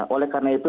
oleh karena itu